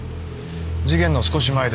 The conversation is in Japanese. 事件の少し前です。